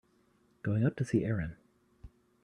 Going up to see Erin.